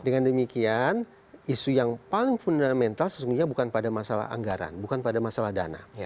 dengan demikian isu yang paling fundamental sesungguhnya bukan pada masalah anggaran bukan pada masalah dana